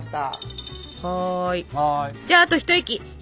じゃああと一息！